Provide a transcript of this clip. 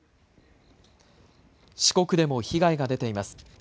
四国でも被害が出ています。